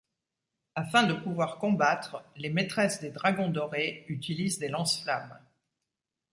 Afin de pouvoir combattre, les maîtresses des dragons dorés utilisent des lance-flammes.